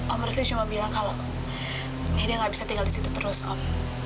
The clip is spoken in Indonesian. om arsi cuma bilang kalau dia nggak bisa tinggal di situ terus om